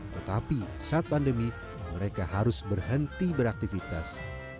tetapi saat pandemi mereka harus berhenti beraktivitas